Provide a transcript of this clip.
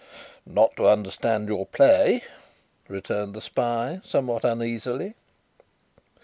"Not to understand your play," returned the spy, somewhat uneasily.